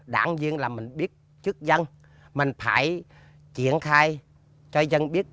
đáng duyên là mình biết trước dân mình phải triển khai cho dân biết